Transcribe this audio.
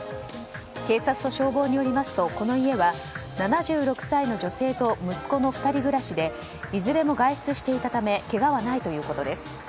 警察と消防によりますとこの家は７６歳の女性と息子の２人暮らしでいずれも外出していたためけがはないということです。